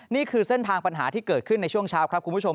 นี่คือเส้นทางปัญหาที่เกิดขึ้นในช่วงเช้าครับคุณผู้ชม